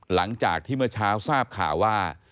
หลังจากที่เมื่อเช้าทราบข่าวว่า